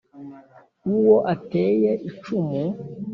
Uwo ateye icumu